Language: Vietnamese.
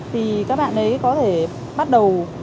thì các bạn ấy có thể bắt đầu